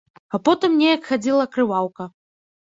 А потым неяк хадзіла крываўка.